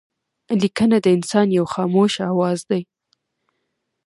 لیکنه د انسان یو خاموشه آواز دئ.